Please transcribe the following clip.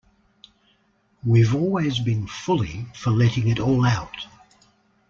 We've always been "fully" for letting it all out.